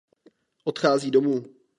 Odchází domů.